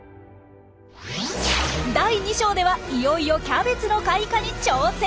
第２章ではいよいよキャベツの開花に挑戦！